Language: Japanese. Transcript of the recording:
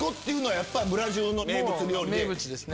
名物ですね。